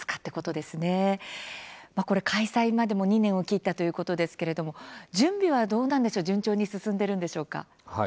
開催まで２年を切ったということですけれども準備は順調に進んでいるんでしょうか。